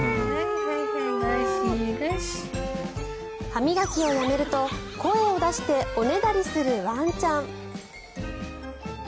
歯磨きをやめると声を出しておねだりするワンちゃん。